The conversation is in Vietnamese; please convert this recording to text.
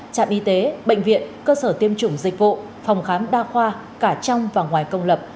trạm y tế bệnh viện cơ sở tiêm chủng dịch vụ phòng khám đa khoa cả trong và ngoài công lập